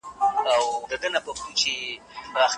که کورنۍ هڅونه وکړي، زده کوونکي نا امیده نه کېږي.